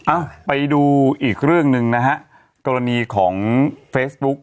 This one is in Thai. เอ้าไปดูอีกเรื่องหนึ่งนะฮะกรณีของเฟซบุ๊ก